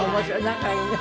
仲いいね。